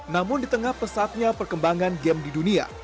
namun di tengah pesatnya perkembangan game di dunia